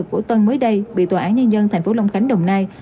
của tân mới đây bị tòa án nhân dân thành phố long khánh đồng nai